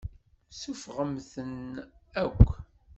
Suffɣemt-ten akk.